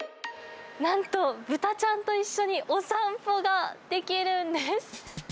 なんと、豚ちゃんと一緒に、お散歩ができるんです。